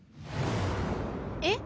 えっ？